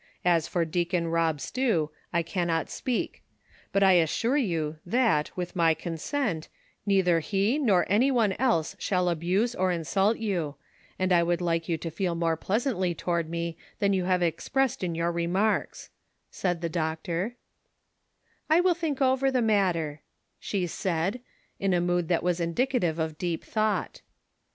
As for Deacon Rob Stew, T cannot speak ; but I assure you, that, with my consent, neither he nor any one else shall abuse or insult you, and I would like you to feel more pleasantly toward me than you have expressed in your remarks," said the doctor, "I will think over the matter," she said, in a mood that was indicative of deep thought.